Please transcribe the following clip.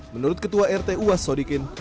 menurut ketua rt uwas sodikin